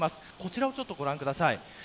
こちらをご覧ください。